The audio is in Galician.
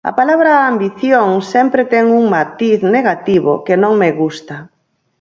A palabra ambición sempre ten un matiz negativo que non me gusta.